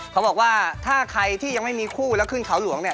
เขาบอกว่าถ้าใครที่ยังไม่มีคู่แล้วขึ้นเขาหลวงเนี่ย